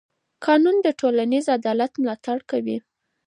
قانون د ټولنیز عدالت ملاتړ کوي.